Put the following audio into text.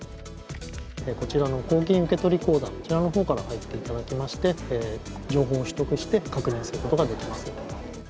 こちらの公金受取口座のこちらから入っていただいて情報を取得して確認することができます。